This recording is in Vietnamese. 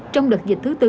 trong đợt dịch thứ bốn